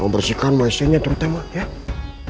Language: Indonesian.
bersihkan wc nya turutnya ma ya